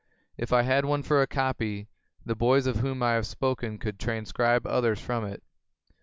If I had one for a copy, the boys of whom I have spoken could transcribe others from it.